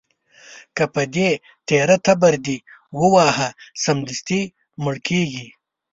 که په دې تېره تبر دې وواهه، سمدستي مړ کېږي.